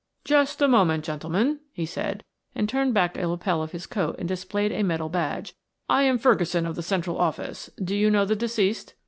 "Just a moment, gentlemen," he said, and turned back a lapel of his coat and displayed a metal badge. "I am Ferguson of the Central Office. Do you know the deceased?"